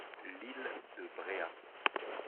l'île de Bréhat.